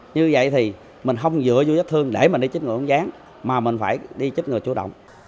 như vậy thì mình không dựa vết thương để mình đi chích ngừa uốn ván mà mình phải đi chích ngừa chủ động